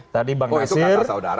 tadi bang nasir